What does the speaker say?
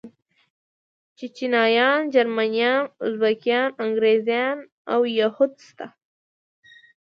چيچنيايان، جرمنيان، ازبکان، انګريزان او يهود شته.